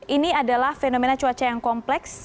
ini adalah fenomena cuaca yang kompleks